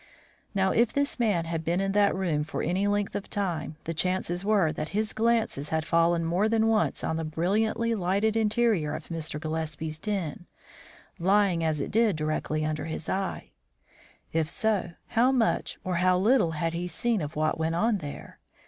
Now, if this man had been in that room for any length of time, the chances were that his glances had fallen more than once on the brilliantly lighted interior of Mr. Gillespie's den, lying as it did directly under his eye. If so, how much or how little had he seen of what went on there?